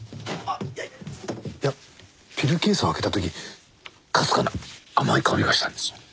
いやピルケースを開けた時かすかな甘い香りがしたんですよ。